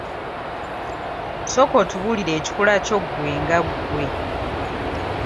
Sooka otubuulira ekikula kyo gwe nga gwe.